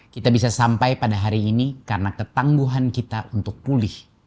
kita bisa sampai pada hari ini karena ketangguhan kita untuk pulih